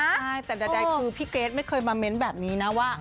ใช่แต่ใดคือพี่เกรทไม่เคยมาเม้นแบบนี้นะว่า